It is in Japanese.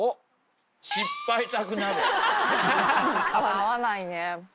合わないね。